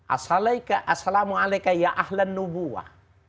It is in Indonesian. assalamualaikum ya ahlan nubuwa